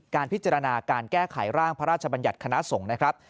การพิจารณาการแก้ไขร่างพระราชบัญญัติคณะสงฆ์นะครับ